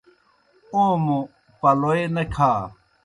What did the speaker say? اوموْ پلوئے نہ کھا۔